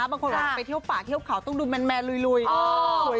บางคนเวลาไปเที่ยวป่าเที่ยวเขาต้องดูแมนลุย